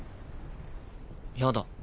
やだ。